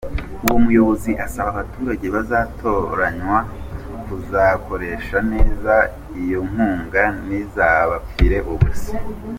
Uwo muyobozi asaba abaturage bazatoranywa kuzakoresha neza iyo nkunga, ntizabapfire ubusa.